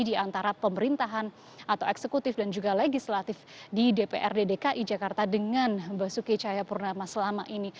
di antara pemerintahan atau eksekutif dan juga legislatif di dprd dki jakarta dengan basuki cahayapurnama selama ini